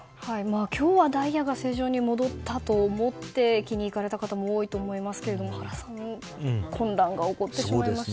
今日はダイヤが正常に戻ったと思って駅に行かれた方も多いと思いますが原さん混乱が起こってしまいました。